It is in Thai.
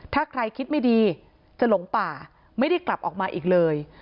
ถ้าใครคิดไม่ดีจะหลงป่าไม่ได้กลับออกมาอีกเลย